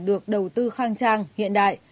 được đầu tư khang trang hiện đại